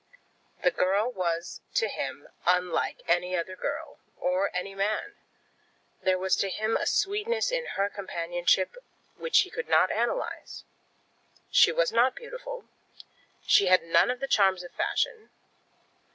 The girl was to him unlike any other girl; or any man. There was to him a sweetness in her companionship which he could not analyse. She was not beautiful. She had none of the charms of fashion.